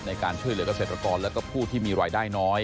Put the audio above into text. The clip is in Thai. ในการช่วยเหลือกเกษตรกรและผู้ที่มีรายได้น้อย